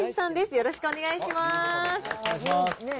よろしくお願いします。